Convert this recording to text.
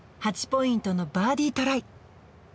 ８ポイントのバーディートライ